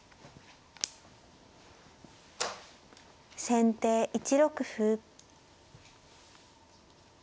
先手１六歩。